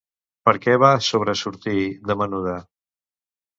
Per què va sobresortir de menuda?